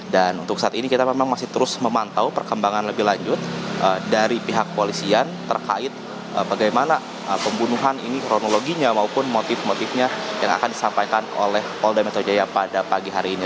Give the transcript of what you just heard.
dan untuk saat ini kita memang masih terus memantau perkembangan lebih lanjut dari pihak polisian terkait bagaimana pembunuhan ini kronologinya maupun motif motifnya yang akan disampaikan oleh olda meto jaya pada pagi hari ini